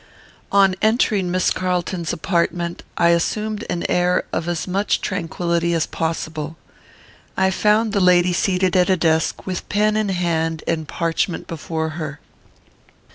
On entering Miss Carlton's apartment, I assumed an air of as much tranquillity as possible. I found the lady seated at a desk, with pen in hand and parchment before her.